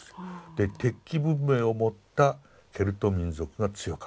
で鉄器文明を持ったケルト民族が強かった。